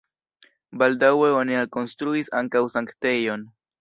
Baldaŭe oni alkonstruis ankaŭ sanktejon.